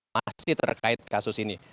masih terkait kasus ini